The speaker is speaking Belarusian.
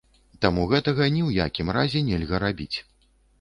Таму гэтага ні ў якім разе нельга рабіць.